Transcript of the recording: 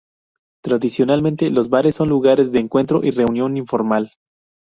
Tradicionalmente, los bares son lugares de encuentro y reunión informal.